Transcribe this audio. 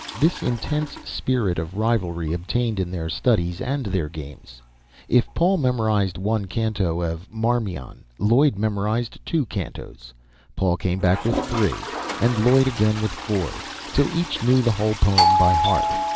This intense spirit of rivalry obtained in their studies and their games. If Paul memorized one canto of "Marmion," Lloyd memorized two cantos, Paul came back with three, and Lloyd again with four, till each knew the whole poem by heart.